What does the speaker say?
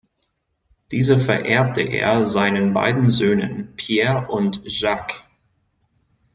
Diese vererbte er seinen beiden Söhnen Pierre und Jacques.